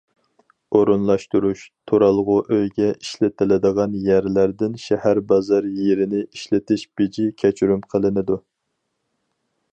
ئورۇنلاشتۇرۇش تۇرالغۇ ئۆيگە ئىشلىتىلىدىغان يەرلەردىن شەھەر- بازار يېرىنى ئىشلىتىش بېجى كەچۈرۈم قىلىنىدۇ.